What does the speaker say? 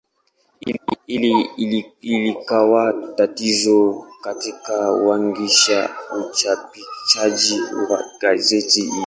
Hili likawa tatizo katika kuanzisha uchapishaji wa gazeti hili.